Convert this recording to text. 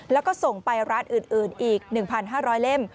แล้วก็ส่งไปร้านอื่นอีก๑๕๐๐เล่ม